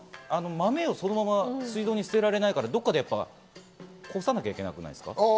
豆をそのまま水道に捨てられないから、どこかでこさなきゃいけないですよね。